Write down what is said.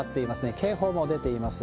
警報も出ています。